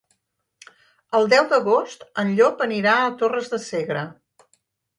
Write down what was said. El deu d'agost en Llop anirà a Torres de Segre.